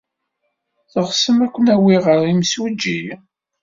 Teɣsem ad ken-awiɣ ɣer yimsujji?